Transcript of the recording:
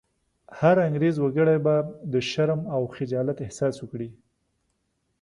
هر انګرېز وګړی به د شرم او خجالت احساس وکړي.